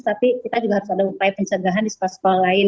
tapi kita juga harus ada upaya pencegahan di sekolah sekolah lain